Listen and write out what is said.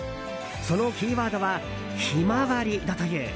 そのキーワードは「ひまわり」だという。